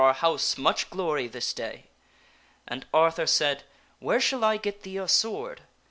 Qur house much glory this day !" And Arthur said, " Where shall I get thee a sword